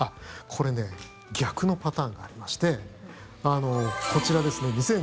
これね逆のパターンがありましてこちらですね、２０１９年。